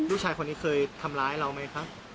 ผู้ชายคนนี้เคยทำร้ายเราไหมครับ